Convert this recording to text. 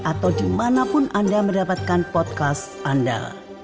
atau dimanapun anda mendapatkan podcast anda